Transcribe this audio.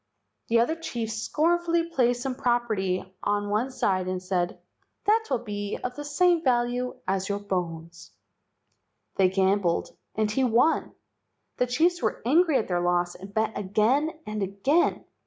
The other chiefs scornfully placed some prop¬ erty on one side and said, "That will be of the same value as your bones." 11 2 LEGENDS OF GHOSTS They gambled and he won. The chiefs were angry at their loss and bet again and again.